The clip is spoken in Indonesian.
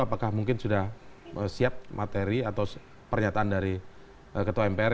apakah mungkin sudah siap materi atau pernyataan dari ketua mpr